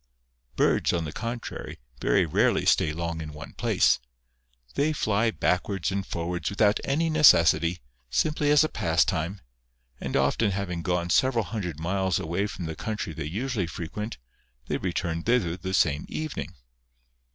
Birds, on the contrary, very rarely stay long in one place. They fly backwards and forwards without any necessity, simply as a pastime, and often having gone several hundred miles away from the country they usually fre quent, they return thither the same evening.